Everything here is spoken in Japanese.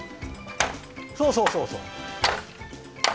そうそうそうそう。